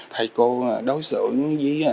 thầy cô đối xử với